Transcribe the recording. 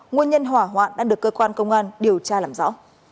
nguồn nhân hỏa hoạn đang được cơ quan công an điều tra làm rõ